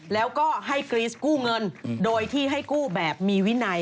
แล้วก็ให้กรี๊สกู้เงินโดยที่ให้กู้แบบมีวินัย